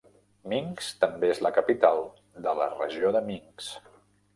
Minsk també és la capital de la Regió de Minsk.